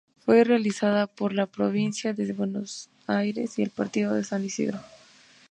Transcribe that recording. Fue realizada por la Provincia de Buenos Aires y el Partido de San Isidro.